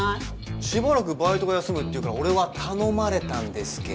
しばらくバイトが休むっていうから俺は頼まれたんですけど。